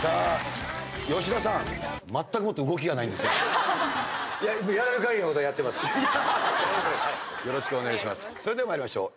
よろしくお願いします。